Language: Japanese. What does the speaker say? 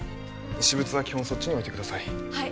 私物は基本そっちに置いてください